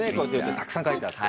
たくさん書いてあって。